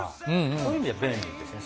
そういう意味では便利ですね。